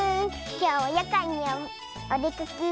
きょうはやかんにおでかけ。